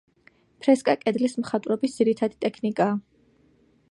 ფრესკა კედლის მხატვრობის ძირითადი ტექნიკაა.